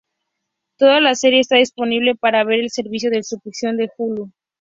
Toda la serie está disponible para ver en el servicio de suscripción de Hulu.